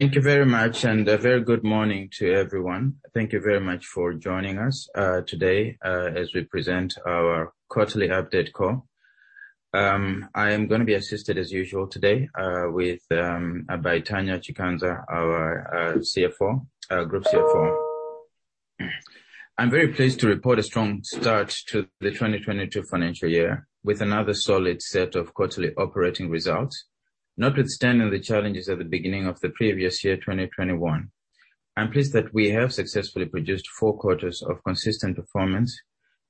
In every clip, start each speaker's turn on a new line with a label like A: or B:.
A: Thank you very much and a very good morning to everyone. Thank you very much for joining us, today, as we present our quarterly update call. I am gonna be assisted as usual today, by Tanya Chikanza, our, CFO, group CFO. I'm very pleased to report a strong start to the 2022 financial year with another solid set of quarterly operating results. Notwithstanding the challenges at the beginning of the previous year, 2021. I'm pleased that we have successfully produced four quarters of consistent performance,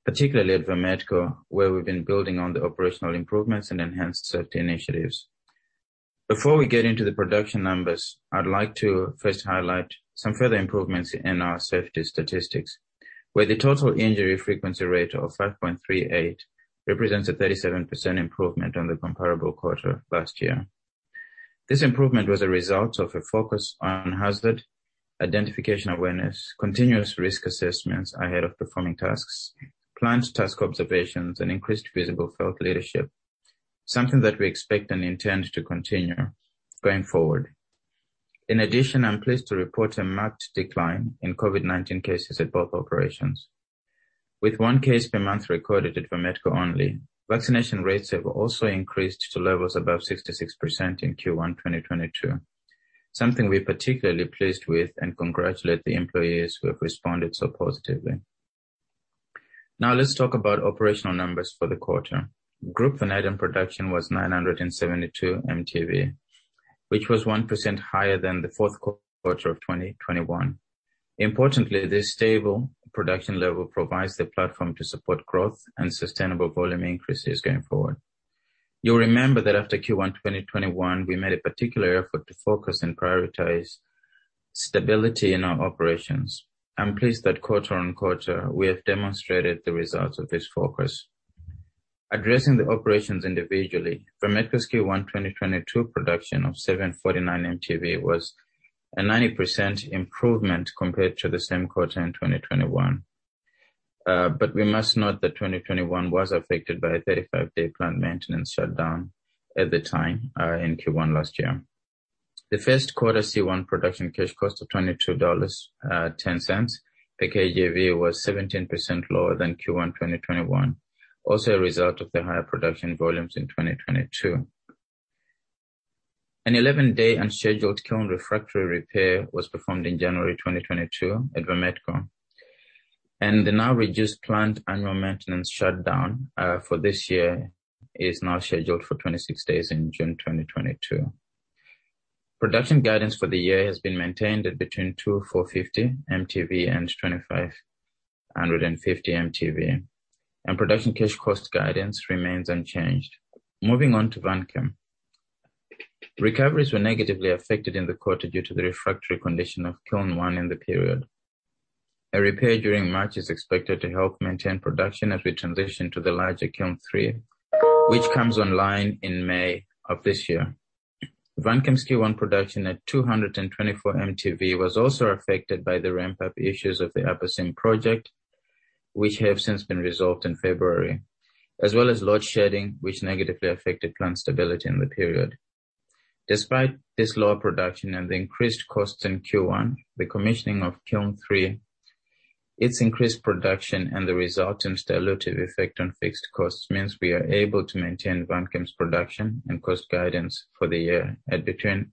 A: particularly at Vametco, where we've been building on the operational improvements and enhanced safety initiatives. Before we get into the production numbers, I'd like to first highlight some further improvements in our safety statistics, where the total injury frequency rate of 5.38 represents a 37% improvement on the comparable quarter last year. This improvement was a result of a focus on hazard identification awareness, continuous risk assessments ahead of performing tasks, planned task observations, and increased visible felt leadership. Something that we expect and intend to continue going forward. In addition, I'm pleased to report a marked decline in COVID-19 cases at both operations. With one case per month recorded at Vametco only. Vaccination rates have also increased to levels above 66% in Q1, 2022. Something we're particularly pleased with and congratulate the employees who have responded so positively. Now let's talk about operational numbers for the quarter. Group vanadium production was 972 mtV, which was 1% higher than the fourth quarter of 2021. Importantly, this stable production level provides the platform to support growth and sustainable volume increases going forward. You'll remember that after Q1 2021, we made a particular effort to focus and prioritize stability in our operations. I'm pleased that quarter-on-quarter we have demonstrated the results of this focus. Addressing the operations individually. Vametco's Q1 2022 production of 749 mtV was a 90% improvement compared to the same quarter in 2021. But we must note that 2021 was affected by a 35-day plant maintenance shutdown at the time, in Q1 last year. The first quarter C1 production cash cost of $22.10 per kgV was 17% lower than Q1 2021. Also a result of the higher production volumes in 2022. An 11-day unscheduled kiln refractory repair was performed in January 2022 at Vametco. The now reduced plant annual maintenance shutdown for this year is now scheduled for 26 days in June 2022. Production guidance for the year has been maintained at between 2,450 mtV and 2,550 mtV. Production cash cost guidance remains unchanged. Moving on to Vanchem. Recoveries were negatively affected in the quarter due to the refractory condition of Kiln 1 in the period. A repair during March is expected to help maintain production as we transition to the larger Kiln 3, which comes online in May of this year. Vanchem's Q1 production at 224 mtV was also affected by the ramp-up issues of the Upper seam project, which have since been resolved in February. As well as load shedding, which negatively affected plant stability in the period. Despite this lower production and the increased costs in Q1, the commissioning of Kiln 3, its increased production and the resultant dilutive effect on fixed costs means we are able to maintain Vanchem's production and cost guidance for the year at between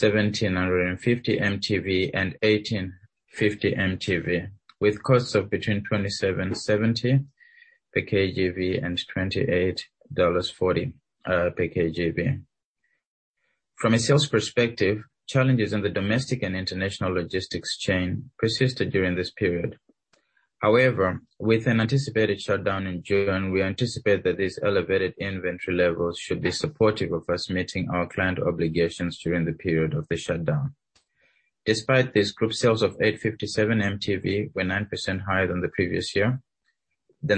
A: 1,750 mtV and 1,850 mtV. With costs of between $27.70 per kgV and $28.40 per kgV. From a sales perspective, challenges in the domestic and international logistics chain persisted during this period. However, with an anticipated shutdown in June, we anticipate that these elevated inventory levels should be supportive of us meeting our client obligations during the period of the shutdown. Despite these group sales of 857 mtV were 9% higher than the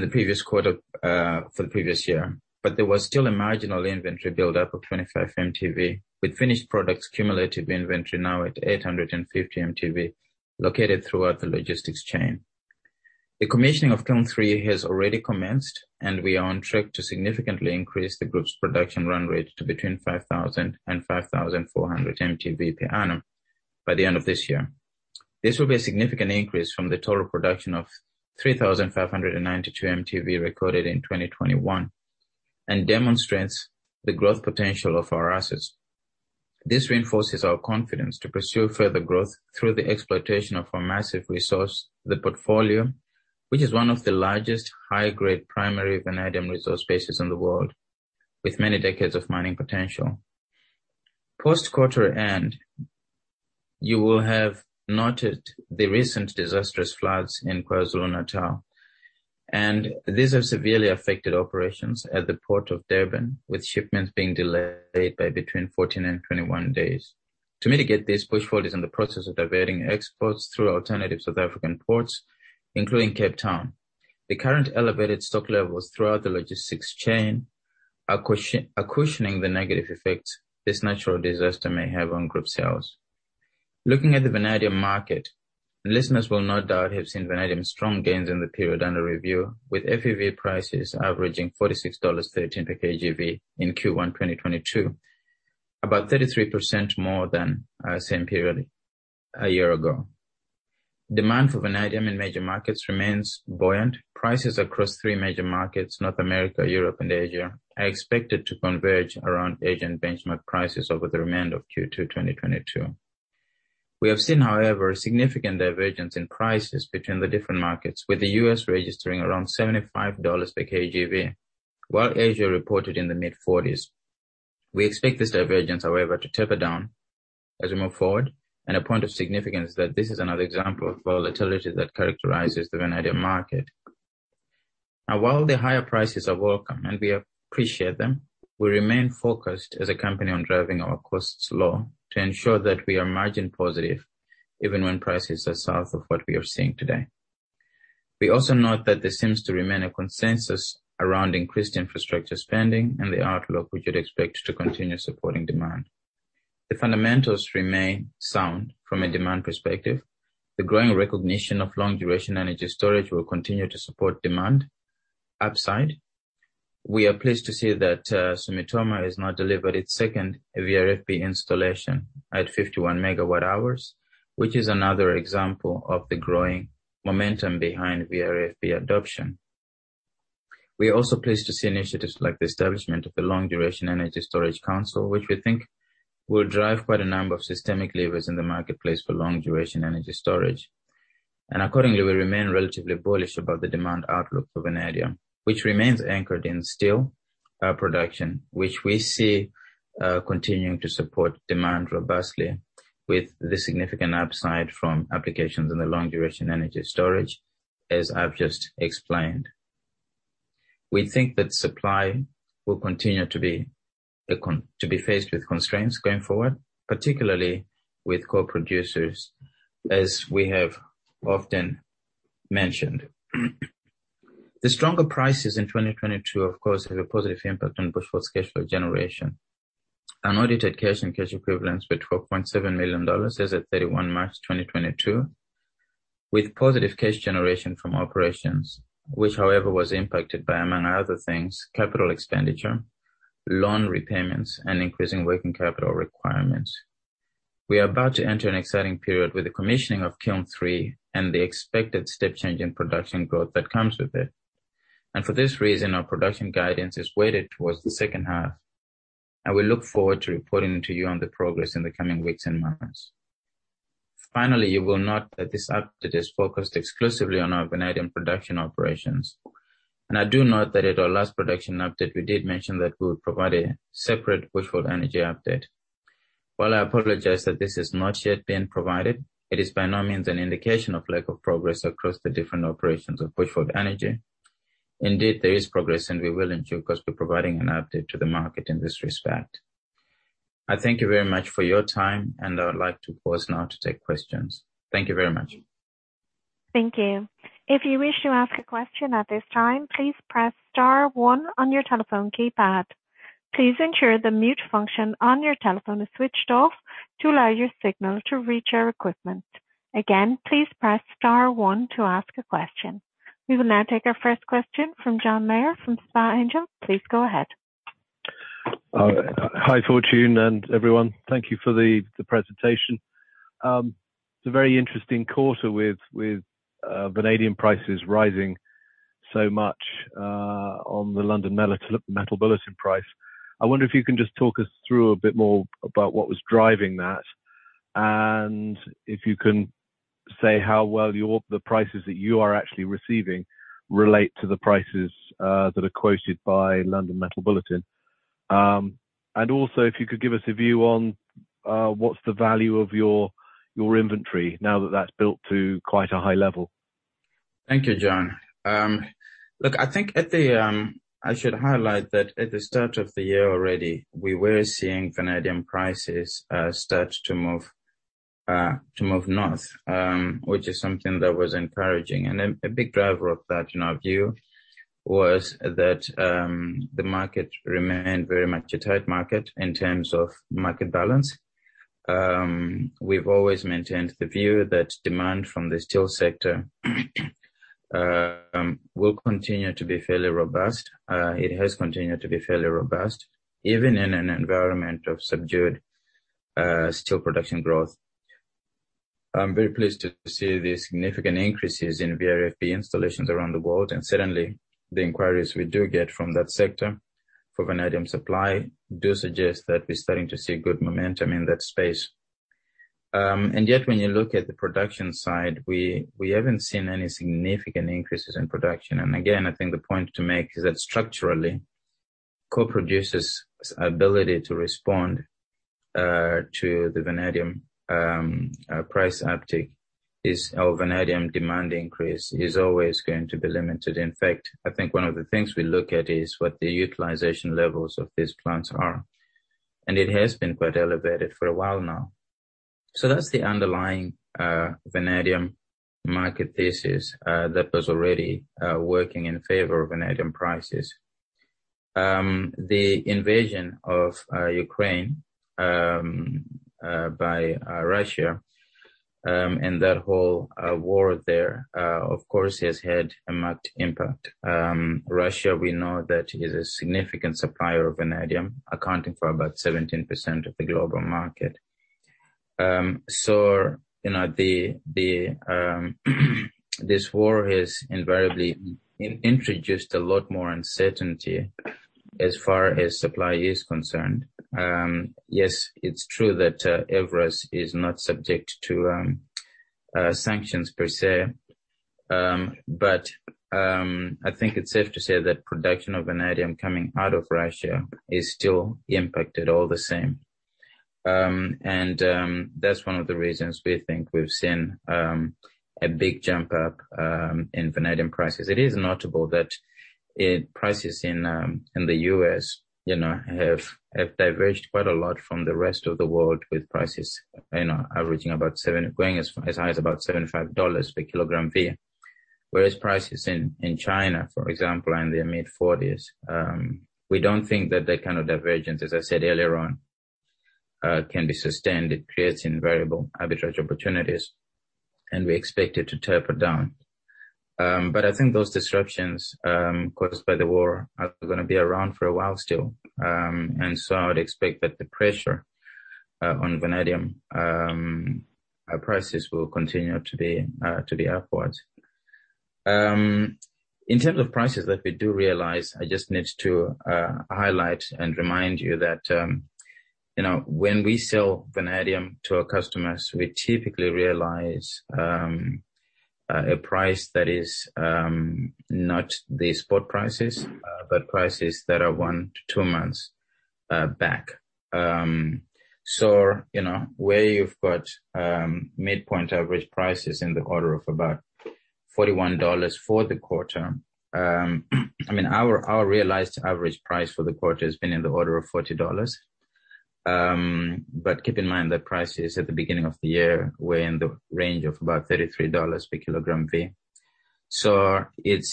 A: previous quarter of the previous year. There was still a marginal inventory buildup of 25 mtV, with finished products cumulative inventory now at 850 mtV located throughout the logistics chain. The commissioning of Kiln 3 has already commenced, and we are on track to significantly increase the group's production run rate to between 5,000 and 5,400 mtV per annum by the end of this year. This will be a significant increase from the total production of 3,592 mtV recorded in 2021, and demonstrates the growth potential of our assets. This reinforces our confidence to pursue further growth through the exploitation of our massive resource, the portfolio, which is one of the largest high-grade primary vanadium resource bases in the world, with many decades of mining potential. Post-quarter end, you will have noted the recent disastrous floods in KwaZulu-Natal, and these have severely affected operations at the Port of Durban, with shipments being delayed by between 14 and 21 days. To mitigate this, Bushveld is in the process of diverting exports through alternative South African ports, including Cape Town. The current elevated stock levels throughout the logistics chain are cushioning the negative effects this natural disaster may have on group sales. Looking at the vanadium market, listeners will no doubt have seen vanadium strong gains in the period under review, with FeV prices averaging $46.13 per kgV in Q1 2022, about 33% more than same period a year ago. Demand for vanadium in major markets remains buoyant. Prices across three major markets, North America, Europe and Asia, are expected to converge around Asian benchmark prices over the remainder of Q2 2022. We have seen, however, a significant divergence in prices between the different markets, with the U.S. registering around $75 per kgV, while Asia reported in the mid-$40s. We expect this divergence, however, to taper down as we move forward, and a point of significance that this is another example of volatility that characterizes the vanadium market. Now, while the higher prices are welcome and we appreciate them, we remain focused as a company on driving our costs low to ensure that we are margin positive even when prices are south of what we are seeing today. We also note that there seems to remain a consensus around increased infrastructure spending and the outlook, which we'd expect to continue supporting demand. The fundamentals remain sound from a demand perspective. The growing recognition of long-duration energy storage will continue to support demand upside. We are pleased to see that Sumitomo has now delivered its second VRFB installation at 51 MWh, which is another example of the growing momentum behind VRFB adoption. We are also pleased to see initiatives like the establishment of the Long Duration Energy Storage Council, which we think will drive quite a number of systemic levers in the marketplace for long-duration energy storage. Accordingly, we remain relatively bullish about the demand outlook for vanadium, which remains anchored in steel production, which we see continuing to support demand robustly with the significant upside from applications in the long-duration energy storage, as I've just explained. We think that supply will continue to be faced with constraints going forward, particularly with co-producers, as we have often mentioned. The stronger prices in 2022, of course, have a positive impact on Bushveld's cash flow generation. Unaudited cash and cash equivalents were $12.7 million as at 31 March 2022, with positive cash generation from operations, which, however, was impacted by, among other things, capital expenditure, loan repayments, and increasing working capital requirements. We are about to enter an exciting period with the commissioning of Kiln 3 and the expected step change in production growth that comes with it. For this reason, our production guidance is weighted towards the second half. I will look forward to reporting to you on the progress in the coming weeks and months. Finally, you will note that this update is focused exclusively on our vanadium production operations. I do note that at our last production update, we did mention that we would provide a separate Bushveld Energy update. While I apologize that this has not yet been provided, it is by no means an indication of lack of progress across the different operations of Bushveld Energy. Indeed, there is progress, and we will in due course be providing an update to the market in this respect. I thank you very much for your time, and I would like to pause now to take questions. Thank you very much.
B: We will now take our first question from John Meyer from SP Angel. Please go ahead.
C: Hi, Fortune and everyone. Thank you for the presentation. It's a very interesting quarter with vanadium prices rising so much on the London Metal Bulletin price. I wonder if you can just talk us through a bit more about what was driving that, and if you can say how well the prices that you are actually receiving relate to the prices that are quoted by London Metal Bulletin. Also, if you could give us a view on what's the value of your inventory now that that's built to quite a high level.
A: Thank you, John. Look, I think I should highlight that at the start of the year already, we were seeing vanadium prices start to move north, which is something that was encouraging. A big driver of that, in our view, was that the market remained very much a tight market in terms of market balance. We've always maintained the view that demand from the steel sector will continue to be fairly robust. It has continued to be fairly robust, even in an environment of subdued steel production growth. I'm very pleased to see the significant increases in VRFB installations around the world, and certainly the inquiries we do get from that sector for vanadium supply do suggest that we're starting to see good momentum in that space. Yet, when you look at the production side, we haven't seen any significant increases in production. Again, I think the point to make is that structurally, co-producers' ability to respond to the vanadium price uptick or vanadium demand increase is always going to be limited. In fact, I think one of the things we look at is what the utilization levels of these plants are. It has been quite elevated for a while now. That's the underlying vanadium market thesis that was already working in favor of vanadium prices. The invasion of Ukraine by Russia and that whole war there, of course, has had a marked impact. Russia, we know, is a significant supplier of vanadium, accounting for about 17% of the global market. So you know, this war has invariably introduced a lot more uncertainty as far as supply is concerned. Yes, it's true that Evraz is not subject to sanctions per se. I think it's safe to say that production of vanadium coming out of Russia is still impacted all the same. That's one of the reasons we think we've seen a big jump up in vanadium prices. It is notable that prices in the U.S., you know, have diverged quite a lot from the rest of the world, with prices, you know, averaging about $70 going as high as $75 per kgV. Whereas prices in China, for example, are in their mid-$40s. We don't think that kind of divergence, as I said earlier on, can be sustained. It creates inevitable arbitrage opportunities, and we expect it to taper down. I think those disruptions caused by the war are gonna be around for a while still. I would expect that the pressure on vanadium prices will continue to be upwards. In terms of prices that we do realize, I just need to highlight and remind you that, you know, when we sell vanadium to our customers, we typically realize a price that is not the spot prices, but prices that are 1-2 months back. You know, where you've got midpoint average prices in the order of about $41 for the quarter, I mean, our realized average price for the quarter has been in the order of $40. But keep in mind that prices at the beginning of the year were in the range of about $33 per kgV.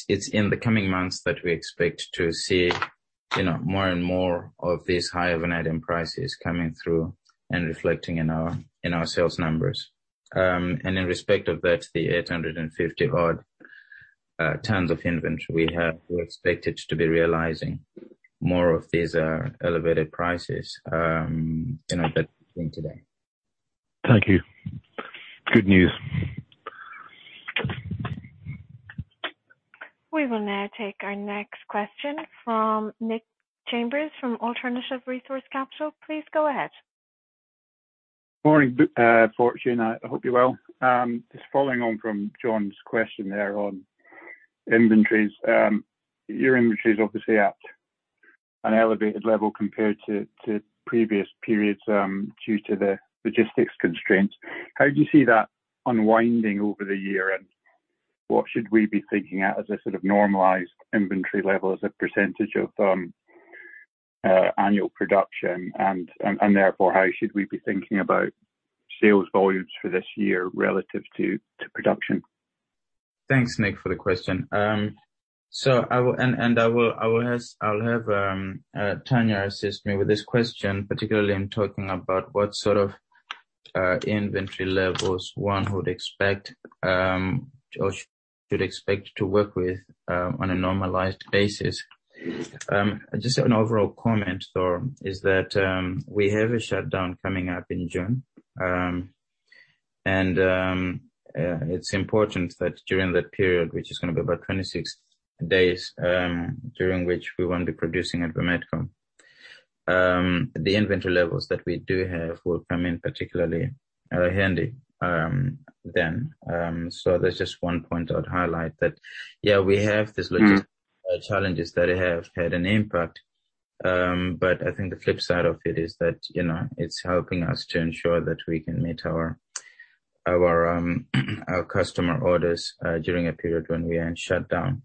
A: It's in the coming months that we expect to see, you know, more and more of these high vanadium prices coming through and reflecting in our sales numbers. In respect of that, the 850-odd tons of inventory we have, we're expected to be realizing more of these elevated prices, you know, between today.
D: Thank you. Good news.
B: We will now take our next question from Nick Chalmers from Alternative Resource Capital. Please go ahead.
E: Morning, Fortune. I hope you're well. Just following on from John's question there on inventories. Your inventory is obviously at an elevated level compared to previous periods, due to the logistics constraints. How do you see that unwinding over the year, and what should we be thinking of as a sort of normalized inventory level as a percentage of annual production, and therefore, how should we be thinking about sales volumes for this year relative to production?
A: Thanks, Nick, for the question. I will have Tanya assist me with this question, particularly in talking about what sort of inventory levels one would expect or should expect to work with on a normalized basis. Just an overall comment, though, is that we have a shutdown coming up in June. It's important that during that period, which is gonna be about 26 days, during which we won't be producing at Vametco. The inventory levels that we do have will come in particularly handy then. That's just one point I would highlight that yeah, we have these logistical challenges that have had an impact. I think the flip side of it is that, you know, it's helping us to ensure that we can meet our customer orders during a period when we are in shutdown.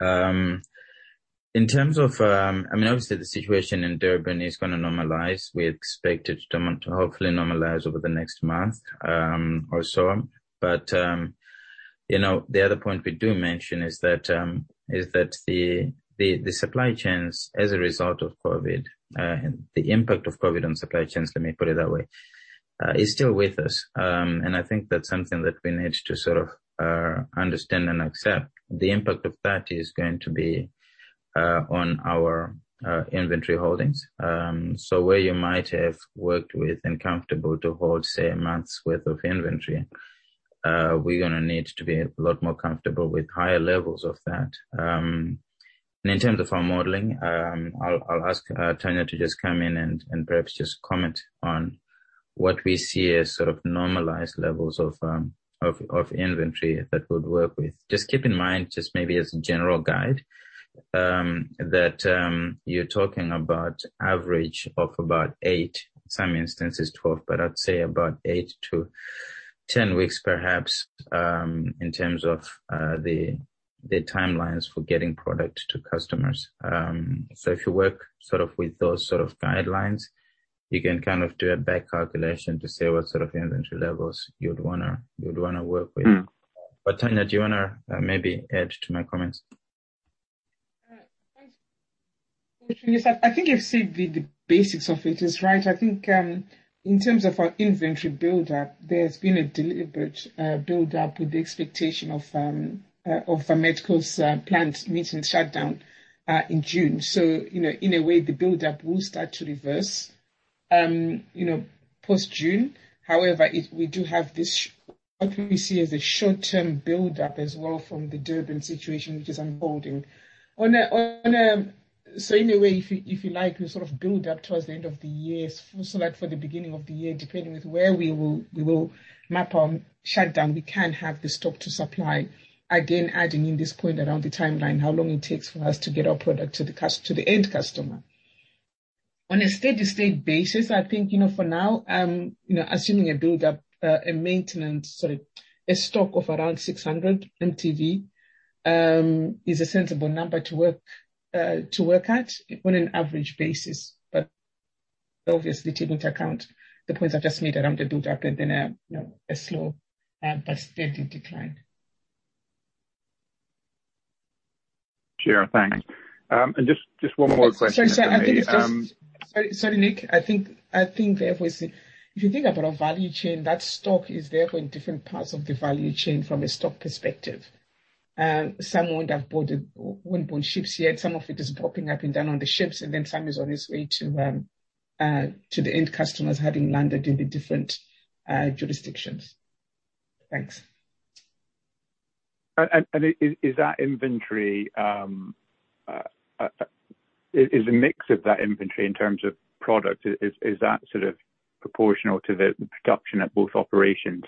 A: In terms of, I mean, obviously, the situation in Durban is gonna normalize. We expect it to hopefully normalize over the next month or so. You know, the other point we do mention is that the supply chains as a result of COVID, the impact of COVID on supply chains, let me put it that way, is still with us. I think that's something that we need to sort of understand and accept. The impact of that is going to be on our inventory holdings. Where you might have worked with and comfortable to hold, say, a month's worth of inventory, we're gonna need to be a lot more comfortable with higher levels of that. In terms of our modeling, I'll ask Tanya to just come in and perhaps just comment on what we see as sort of normalized levels of inventory that we'd work with. Just keep in mind, just maybe as a general guide, that you're talking about average of about eight, some instances 12, but I'd say about eight to 10 weeks perhaps, in terms of the timelines for getting product to customers. If you work sort of with those sort of guidelines, you can kind of do a back calculation to say what sort of inventory levels you'd wanna work with. Tanya, do you wanna maybe add to my comments?
D: Thanks. Well, Nick, I think you've said the basics of it is, right. I think in terms of our inventory buildup, there's been a deliberate buildup with the expectation of Vametco's plant maintenance shutdown in June. So, you know, in a way, the buildup will start to reverse, you know, post-June. However, we do have this what we see as a short-term buildup as well from the Durban situation which is unfolding. On a, on... In a way, if you like, we sort of build up towards the end of the year. Like for the beginning of the year, depending on where we map our shutdown, we can have the stock to supply, again, adding in this point around the timeline, how long it takes for us to get our product to the end customer. On a steady-state basis, I think, you know, for now, assuming a buildup, a maintenance stock of around 600 mtV is a sensible number to work at on an average basis. Obviously, taking into account the points I just made around the buildup and then a slow but steady decline.
E: Sure. Thanks. Just one more question for me.
D: Sorry. I think it's just.
E: Um-
D: Sorry, Nick. I think if you think about our value chain, that stock is therefore in different parts of the value chain from a stock perspective. Some wouldn't have boarded ships yet, some of it is bobbing up and down on the ships, and then some is on its way to the end customers having landed in the different jurisdictions. Thanks.
E: Is the mix of that inventory in terms of product, is it sort of proportional to the production at both operations?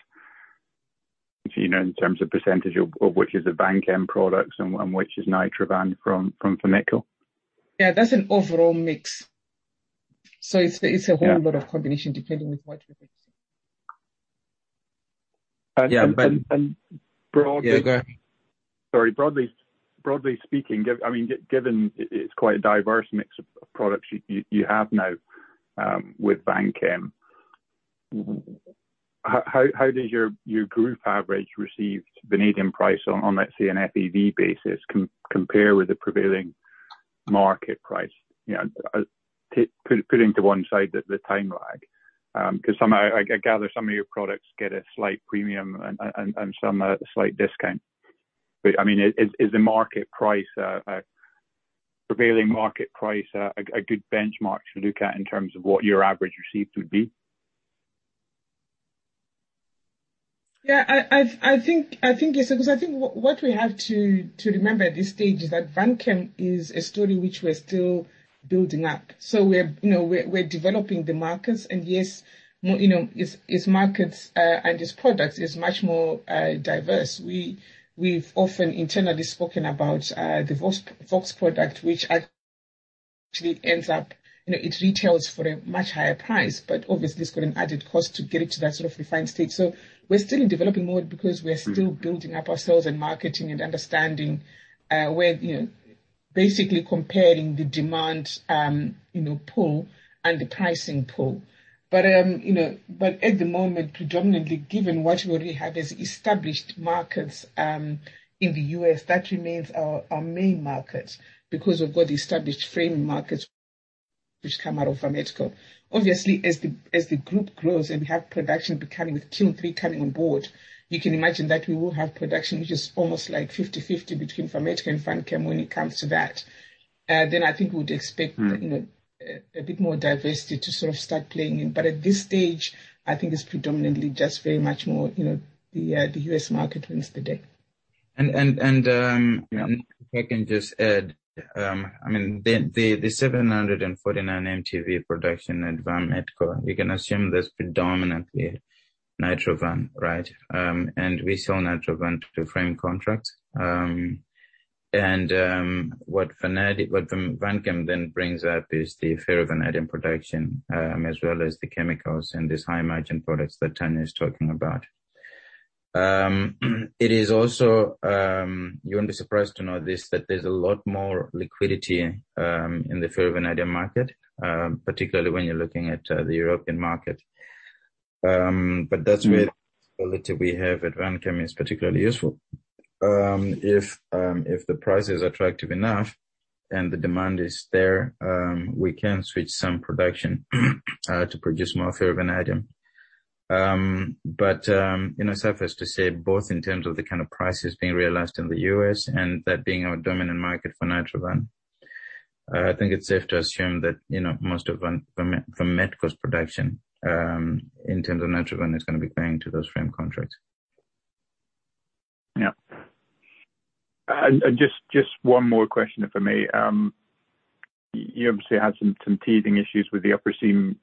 E: Do you know in terms of percentage of which is the Vanchem products and which is nitro-vanadium from Vametco?
D: Yeah. That's an overall mix. It's a whole.
E: Yeah
D: A lot of combinations, depending on what we're producing.
A: Yeah.
E: Broadly.
A: Yeah, go ahead.
E: Sorry. Broadly speaking, I mean, given it's quite a diverse mix of products you have now, with Vanchem-
D: Mm-hmm
E: How does your group average received vanadium price on let's say an FeV basis compare with the prevailing market price? You know, putting to one side the time lag. 'Cause somehow I gather some of your products get a slight premium and some a slight discount. I mean, is the market price a prevailing market price a good benchmark to look at in terms of what your average received would be?
D: Yeah. I think yes, because I think what we have to remember at this stage is that Vanchem is a story which we're still building up. We're, you know, developing the markets. Yes, you know, its markets and its products is much more diverse. We've often internally spoken about the [V2O5] product, which actually ends up, you know, it retails for a much higher price, but obviously it's got an added cost to get it to that sort of refined state. We're still in developing mode because we are still-
E: Mm-hmm
D: ...building up our sales and marketing and understanding, where, you know, basically comparing the demand, you know, pull and the pricing pull. At the moment, predominantly, given what we already have as established markets, in the U.S., that remains our main market because we've got established frame contracts which come out of Vametco. Obviously, as the group grows and we have production coming with Q3 coming on board, you can imagine that we will have production which is almost like 50/50 between Vametco and Vanchem when it comes to that. Then I think we would expect-
E: Mm-hmm
D: ...you know, a bit more diversity to sort of start playing in. At this stage, I think it's predominantly just very much more, you know, the U.S. market wins the day.
A: If I can just add, I mean, the 749 mtV production at Vametco, we can assume that's predominantly nitro-vanadium, right? We sell nitro-vanadium to frame contracts. What Vanchem then brings up is the ferrovanadium production, as well as the chemicals and these high-margin products that Tanya is talking about. It is also, you won't be surprised to know this, that there's a lot more liquidity in the ferrovanadium market, particularly when you're looking at the European market. That's where-
E: Mm-hmm
A: ...the flexibility we have at Vanchem is particularly useful. If the price is attractive enough and the demand is there, we can switch some production to produce more ferrovanadium. You know, suffice to say, both in terms of the kind of prices being realized in the U.S. and that being our dominant market for nitro-vanadium, I think it's safe to assume that, you know, most of Vametco's production in terms of nitro-vanadium is gonna be paying to those frame contracts.
E: Yeah. Just one more question, if I may. You obviously had some teething issues with the Upper Seam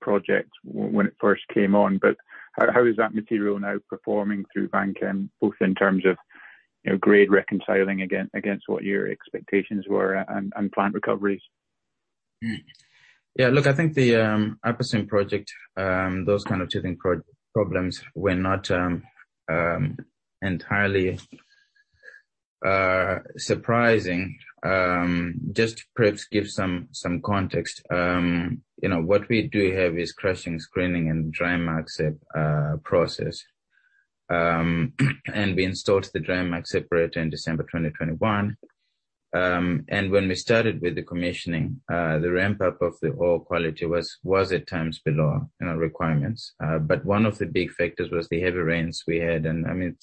E: project when it first came on, but how is that material now performing through Vanchem, both in terms of, you know, grade reconciling again against what your expectations were and plant recoveries?
A: I think the Upper Seam project, those kind of teething problems were not entirely surprising. Just perhaps give some context. You know, what we do have is crushing, screening and dry mag sep process. We installed the dry mag separator in December 2021. When we started with the commissioning, the ramp up of the ore quality was at times below, you know, requirements. One of the big factors was the heavy rains we had. I mean,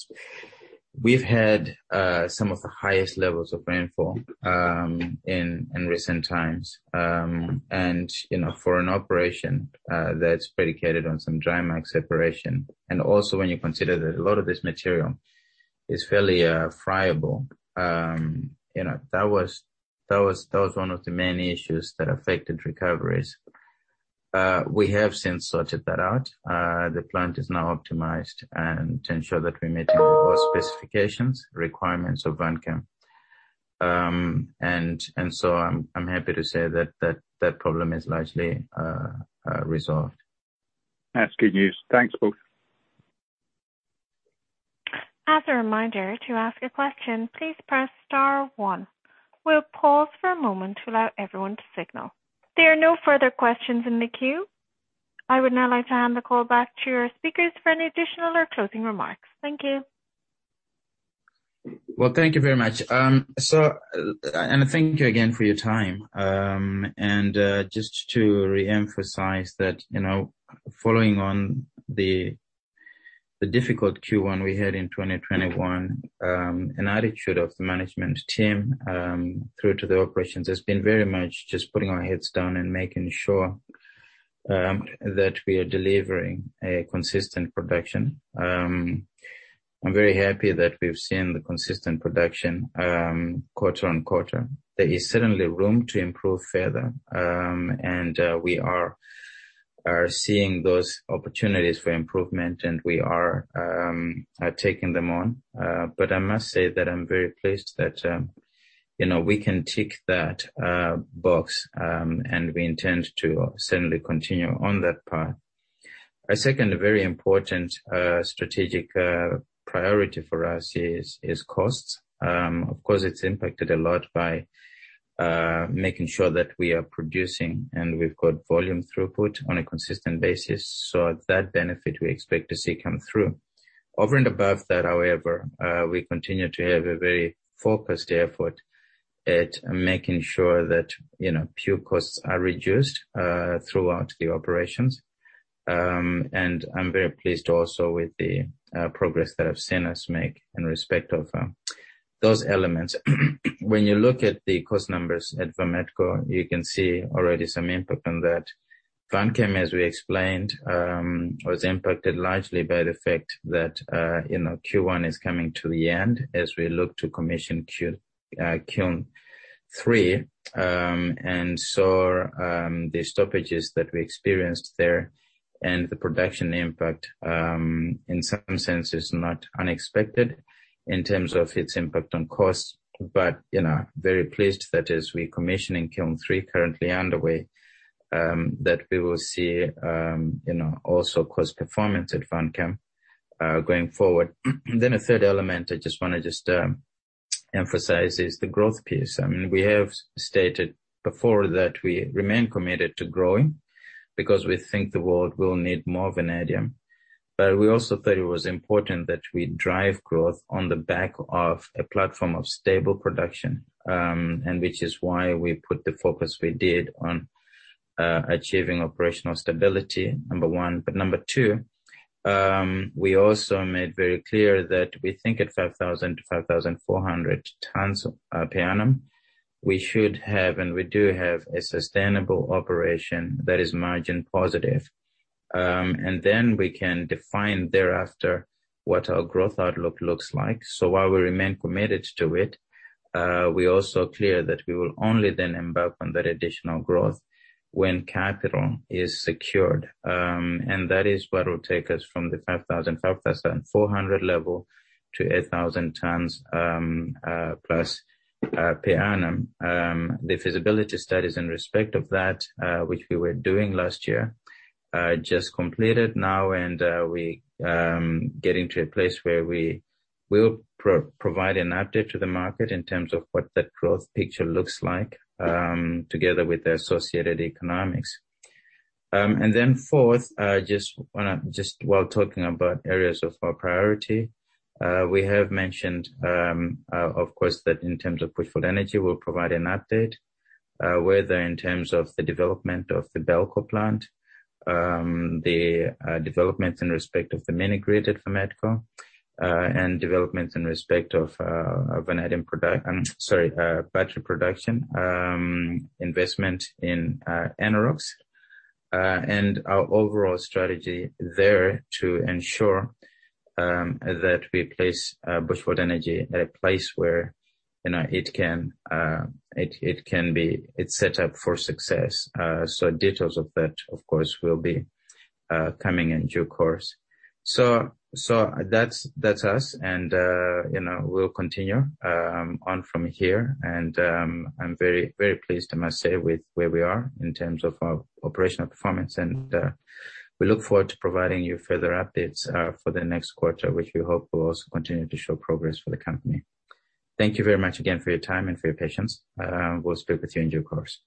A: we've had some of the highest levels of rainfall in recent times. For an operation that's predicated on some dry mag separation, and also when you consider that a lot of this material is fairly friable, you know, that was one of the main issues that affected recoveries. We have since sorted that out. The plant is now optimized and to ensure that we're meeting all specifications, requirements of Vanchem. I'm happy to say that that problem is largely resolved.
E: That's good news. Thanks, both.
B: As a reminder, to ask a question, please press star one. We'll pause for a moment to allow everyone to signal. There are no further questions in the queue. I would now like to hand the call back to your speakers for any additional or closing remarks. Thank you.
A: Well, thank you very much. Thank you again for your time. Just to re-emphasize that, you know, following on the difficult Q1 we had in 2021, an attitude of the management team through to the operations has been very much just putting our heads down and making sure that we are delivering a consistent production. I'm very happy that we've seen the consistent production quarter on quarter. There is certainly room to improve further, and we are seeing those opportunities for improvement and we are taking them on. I must say that I'm very pleased that, you know, we can tick that box, and we intend to certainly continue on that path. A second very important strategic priority for us is costs. Of course, it's impacted a lot by making sure that we are producing and we've got volume throughput on a consistent basis. That benefit we expect to see come through. Over and above that, however, we continue to have a very focused effort at making sure that, you know, pure costs are reduced throughout the operations. I'm very pleased also with the progress that I've seen us make in respect of those elements. When you look at the cost numbers at Vametco, you can see already some impact on that. Vanchem, as we explained, was impacted largely by the fact that, you know, Q1 is coming to the end as we look to commission Kiln 3. The stoppages that we experienced there and the production impact, in some sense is not unexpected in terms of its impact on costs. You know, very pleased that as we're commissioning Kiln 3 currently underway, that we will see, you know, also cost performance at Vanchem, going forward. A third element I just wanna emphasize is the growth piece. I mean, we have stated before that we remain committed to growing because we think the world will need more vanadium. We also thought it was important that we drive growth on the back of a platform of stable production, and which is why we put the focus we did on, achieving operational stability, number one. Number two, we also made very clear that we think at 5,000-5,400 tons per annum, we should have, and we do have a sustainable operation that is margin positive. Then we can define thereafter what our growth outlook looks like. While we remain committed to it, we're also clear that we will only then embark on that additional growth when capital is secured. That is what will take us from the 5,000-5,400 level to 8,000 tons plus per annum. The feasibility studies in respect of that, which we were doing last year, just completed now and we're getting to a place where we will provide an update to the market in terms of what that growth picture looks like, together with the associated economics. Fourth, just wanna, just while talking about areas of our priority, we have mentioned, of course, that in terms of Bushveld Energy, we'll provide an update, whether in terms of the development of the Belco plant, the developments in respect of the mini-grid at Vametco, and developments in respect of battery production, investment in Enerox, and our overall strategy there to ensure that we place Bushveld Energy at a place where, you know, it can be, it's set up for success. Details of that of course will be coming in due course. That's us and, you know, we'll continue on from here. I'm very, very pleased, I must say, with where we are in terms of our operational performance. We look forward to providing you further updates for the next quarter, which we hope will also continue to show progress for the company. Thank you very much again for your time and for your patience. We'll speak with you in due course.